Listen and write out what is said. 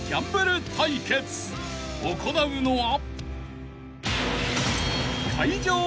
［行うのは］